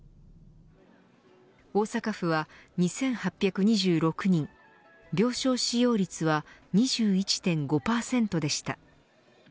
大阪府は２８２６人病床使用率は２１．５％でした。